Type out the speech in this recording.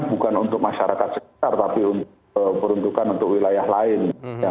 bukan untuk masyarakat sekitar tapi peruntukan untuk wilayah lain